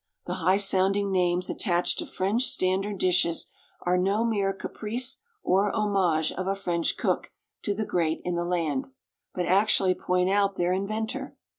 The high sounding names attached to French standard dishes are no mere caprice or homage of a French cook to the great in the land, but actually point out their inventor.